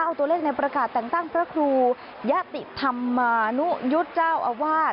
เอาตัวเลขในประกาศแต่งตั้งพระครูยะติธรรมานุยุทธ์เจ้าอาวาส